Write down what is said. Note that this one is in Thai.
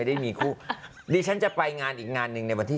ดีฉันจะไปงานอีกงานนึงในวันที่๓๐